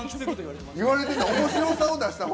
言われてた。